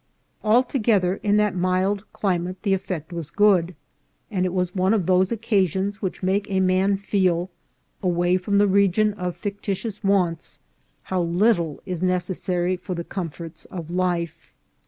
Altogether, in that mild climate the effect was good ; and it was one of those occa sions which make a man feel, away from the region of fictitious wants, how little is necessary for the com forts of life.